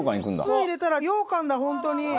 スプーン入れたらようかんだ本当に。